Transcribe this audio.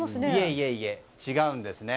いえいえ、違うんですね。